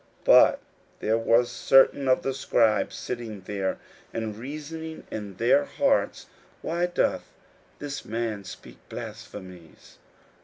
41:002:006 But there was certain of the scribes sitting there, and reasoning in their hearts, 41:002:007 Why doth this man thus speak blasphemies?